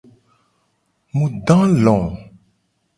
Mu do alo.